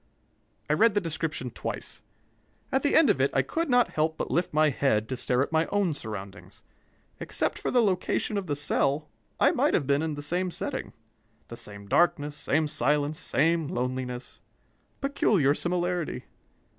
I read the description twice. At the end of it I could not help but lift my head to stare at my own surroundings. Except for the location of the cell, I might have been in they same setting. The same darkness, same silence, same loneliness. Peculiar similarity!